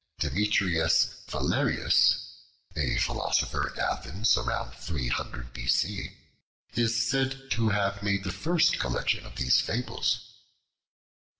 Demetrius Phalereus, a philosopher at Athens about 300 B.C., is said to have made the first collection of these fables.